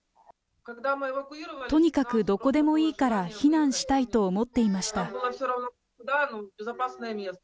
とにかくどこでもいいから避難したいと思っていました。